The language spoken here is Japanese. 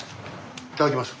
いただきます。